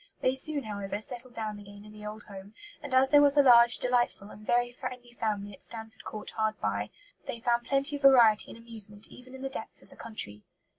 They soon, however, settled down again in the old home; and as there was a large, delightful, and very friendly family at Stanford Court hard by, they found plenty of variety and amusement even in the depths of the country.